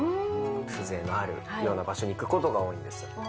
風情のあるような場所に行くことが多いんですよ。